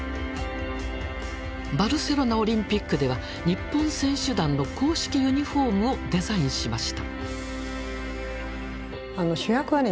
バルセロナオリンピックでは日本選手団の公式ユニフォームをデザインしました。